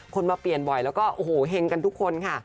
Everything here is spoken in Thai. มาเปลี่ยนบ่อยแล้วก็โอ้โหเฮงกันทุกคนค่ะ